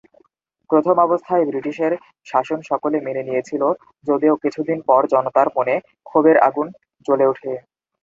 প্রথম অবস্থায় ব্রিটিশের শাসন সকলে মেনে নিয়েছিল যদিও কিছু দিনের পর জনতার মনে ক্ষোভের আগুন জ্বলে উঠে।